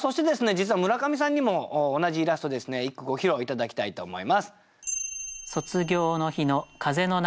実は村上さんにも同じイラストで一句ご披露頂きたいと思います。